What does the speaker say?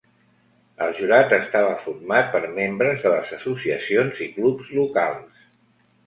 El jurat estava format per membres de les associacions i clubs locals.